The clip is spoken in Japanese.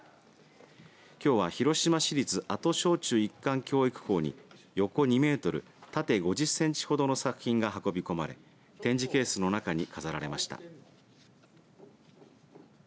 きょうは広島市立阿戸小中一貫教育校に横２メートル縦５０センチほどの作品が運び込まれ展示ケースの中に飾られました。